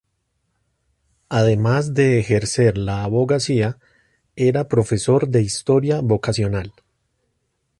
Además de ejercer la abogacía, era profesor de Historia vocacional.